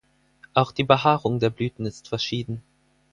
Auch die Behaarung der Blüten ist verschieden.